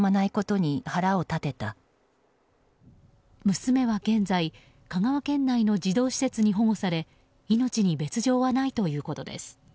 娘は現在香川県内の児童施設に保護され命に別条はないということです。